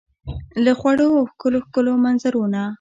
له خوړو او ښکلو ، ښکلو منظرو نه